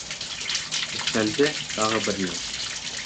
Өҫтәлде тағы бер йыл.